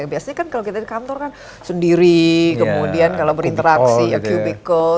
biasanya kan kalau kita di kantor kan sendiri kemudian kalau berinteraksi aqubical